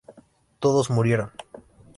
Todos murieron.